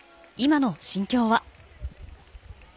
今の心境は。